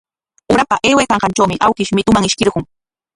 Urapa aywaykanqantrawmi awkish mituman ishkirqun.